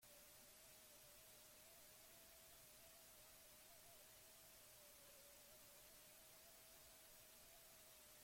Iruñera eramango ninduten, eta handik, sakramentino batzuen laguntzarekin, Iparralderantz.